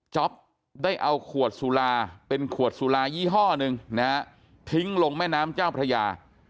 ได้เอาขวดสุราเป็นขวดสุรายี่ห้อหนึ่งนะฮะทิ้งลงแม่น้ำเจ้าพระยา